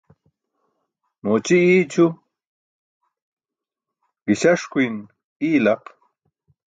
Mooči iyi cʰu, gi̇śaṣkuyn iyi laq.